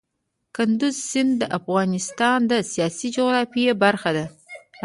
کندز سیند د افغانستان د سیاسي جغرافیه برخه ده.